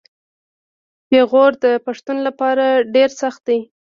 پېغور د پښتون لپاره ډیر سخت دی.